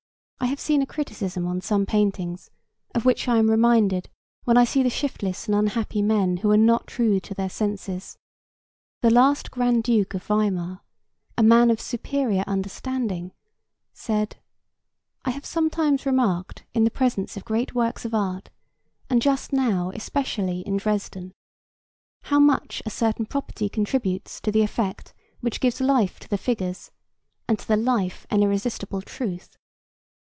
I have seen a criticism on some paintings, of which I am reminded when I see the shiftless and unhappy men who are not true to their senses. The last Grand Duke of Weimar, a man of superior understanding, said,—"I have sometimes remarked in the presence of great works of art, and just now especially in Dresden, how much a certain property contributes to the effect which gives life to the figures, and to the life an irresistible truth.